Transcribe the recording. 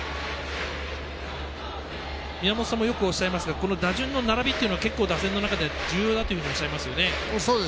宮本さんもよくおっしゃいますが打順の並びというのは結構、打線の中で重要だとおっしゃいますね。